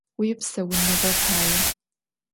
Vuipsaunığe paê!